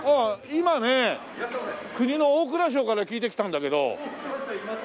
今ね国の大蔵省から聞いて来たんだけど。大蔵省いました？